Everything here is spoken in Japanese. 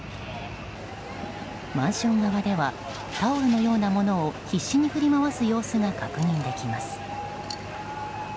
マンション側ではタオルのようなものを必死に振り回す様子が確認できます。